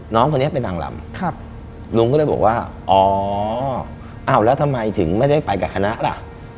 น้องคนนี้เป็นนางลำลุงก็เลยบอกว่าอ๋ออ้าวแล้วทำไมถึงไม่ได้ไปกับคณะล่ะ